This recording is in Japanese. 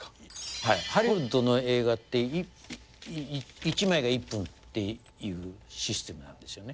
はい、ハリウッドの映画って１枚が１分っていうシステムなんですよね。